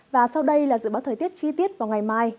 và sau đây là dự báo thời tiết chi tiết vào ngày mai